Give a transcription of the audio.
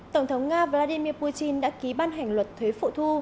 tổng thống nga vladimir putin đã ký ban hành luật thuế phụ thu